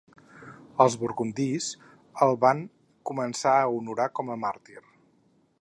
Els burgundis el van començar a honorar com a màrtir.